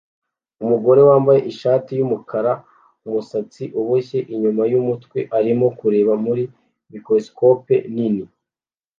Umugore wambaye ishati yumukara umusatsi uboshye inyuma yumutwe arimo kureba muri microscope nini